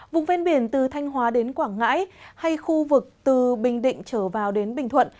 vùng ven biển từ thanh hóa đến quảng ngãi hay khu vực từ bình định trở vào đến bình thuận